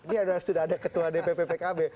ini sudah ada ketua dpp pkb